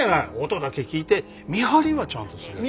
音だけ聞いて見張りはちゃんとすれば。